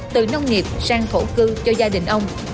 từ nông nghiệp sang thổ cư cho gia đình ông